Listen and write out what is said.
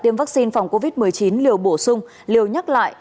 tiêm vaccine phòng covid một mươi chín liều bổ sung liều nhắc lại